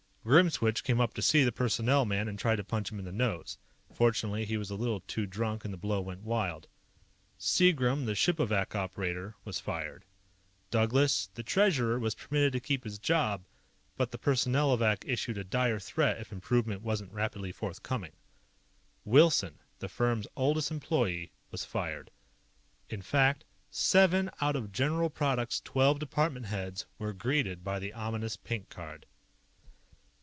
Grimswitch came up to see the Personnel man and tried to punch him in the nose. Fortunately, he was a little too drunk, and the blow went wild. Seegrum, the Shipovac operator, was fired. Douglas, the Treasurer, was permitted to keep his job, but the Personnelovac issued a dire threat if improvement wasn't rapidly forthcoming. Wilson, the firm's oldest employee, was fired. In fact, seven out of General Product's twelve department heads were greeted by the ominous pink card.